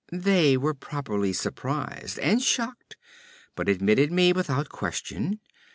'They were properly surprised and shocked, but admitted me without question.